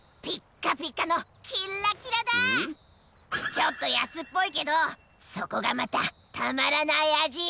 ⁉ちょっとやすっぽいけどそこがまたたまらないあじ！